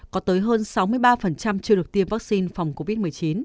có tới hơn sáu mươi ba chưa được tiêm vaccine phòng covid một mươi chín